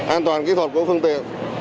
an toàn kỹ thuật của phương tiện